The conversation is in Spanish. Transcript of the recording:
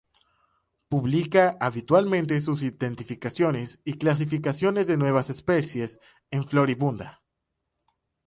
Publica habitualmente sus identificaciones y clasificaciones de nuevas especies en "Floribunda.